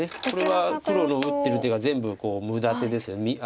これは黒の打ってる手が全部無駄手です。